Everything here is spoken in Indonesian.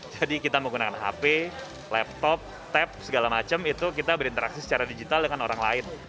jadi kita menggunakan hp laptop tap segala macam itu kita berinteraksi secara digital dengan orang lain